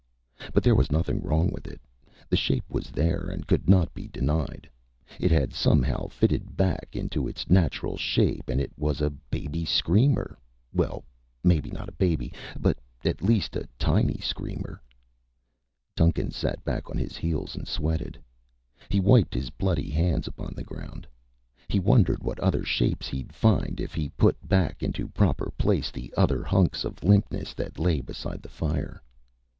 But there was nothing wrong with it. The shape was there and could not be denied. It had somehow fitted back into its natural shape and it was a baby screamer well, maybe not a baby, but at least a tiny screamer. Duncan sat back on his heels and sweated. He wiped his bloody hands upon the ground. He wondered what other shapes he'd find if he put back into proper place the other hunks of limpness that lay beside the fire.